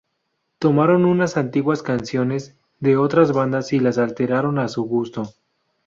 Tomaron unas antiguas canciones de otras bandas y las alteraron a su gusto.